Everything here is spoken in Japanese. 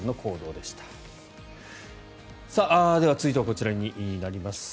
では、続いてはこちらになります。